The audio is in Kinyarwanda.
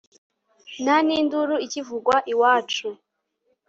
nta n'induru ikivugwa iwacu